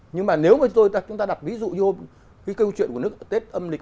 nhưng mà nếu mà chúng ta đặt ví dụ vô cái câu chuyện của tết âm lịch